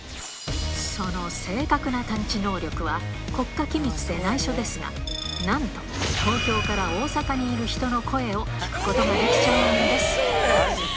その正確な探知能力は、国家機密でないしょですが、なんと東京から大阪にいる人の声を聞くことができちゃうんです。